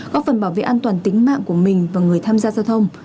góp phần bảo vệ an toàn tính mạng của mình và người tham gia giao thông